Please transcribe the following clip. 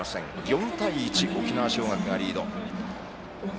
４対１、沖縄尚学がリード。